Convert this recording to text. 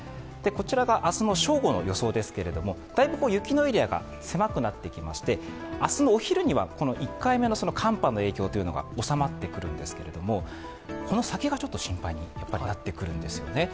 明日の正午の予想ですけれども、だいぶ雪のエリアが狭くなってきまして明日のお昼にはこの１回目の寒波の影響が収まってくるんですけれどもこの先がちょっと心配になってくるんですよね。